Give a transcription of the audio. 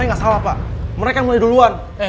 tunggu soalnya pas sesi ini kayaknya